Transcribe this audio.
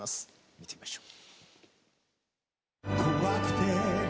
見てみましょう。